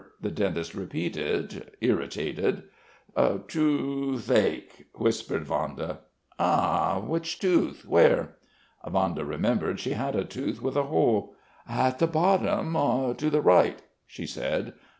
the dentist repeated, irritated. "To ... oth ache...." whispered Vanda. "Ah ... which tooth ... where?" Vanda remembered she had a tooth with a hole. "At the bottom ... to the right," she said.